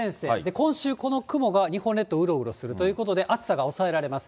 今週、この雲が日本列島をうろうろするということで、暑さが抑えられます。